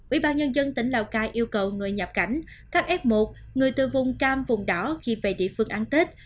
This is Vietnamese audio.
ủy ban nhân dân tỉnh lào cai yêu cầu người nhập cảnh khách f một người từ vùng cam vùng đỏ khi về địa phương ăn tết